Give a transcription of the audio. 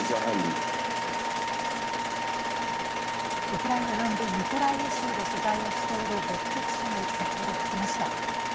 ウクライナ南部ミコライウ州で取材をしている別府記者に先ほど聞きました。